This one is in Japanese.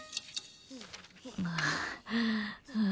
ああ。